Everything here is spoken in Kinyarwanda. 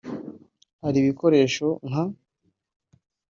“Hari ibikoresho nka